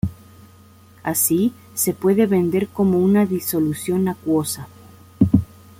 Así, se puede vender como una disolución acuosa.